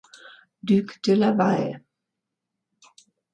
Duc de Laval.